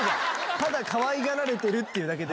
ただかわいがられてるってだけで。